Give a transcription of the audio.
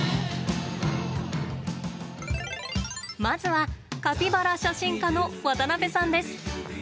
まずは、カピバラ写真家の渡辺さんです。